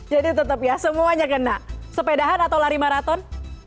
jadi tetap ya semuanya kena sepedahan atau lari maraton